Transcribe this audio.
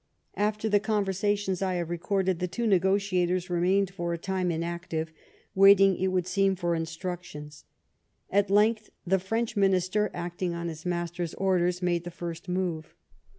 After the conversations I have recorded the two negotiators remained for a time inactive, waiting, it would seem, for instructions. At length the French Minister, acting on his master's orders, made the first move.